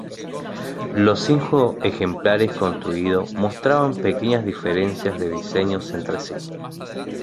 Los cinco ejemplares construidos mostraban pequeñas diferencias de diseño entre sí.